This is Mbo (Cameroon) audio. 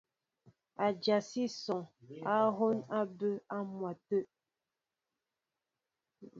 Ádyasíní asɔŋ á hɔ́ɔ́ŋ a bɛ́ á m̀mɛtə̂.